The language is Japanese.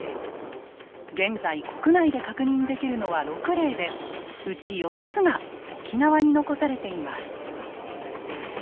現在国内で確認できるのは６例でうち４つが沖縄に残されています。